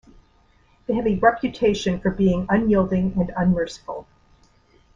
They have a reputation for being unyielding and unmerciful.